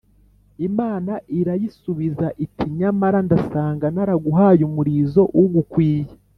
Imana irayisubiza iti”nyamara, ndasanga naraguhaye umurizo ugukwiriye.